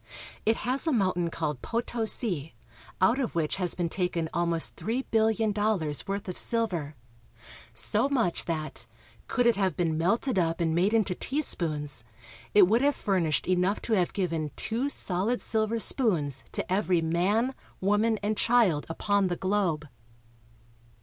It has a mountain called Potosi (po to'si), out of which has been taken almost three billion dollars' worth of silver — so much that, could it have been melted up and made into teaspoons, it would have fur nished enough to have given two solid silver spoons to every man, woman, and child upon the globe.